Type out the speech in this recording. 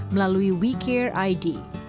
dan wicare id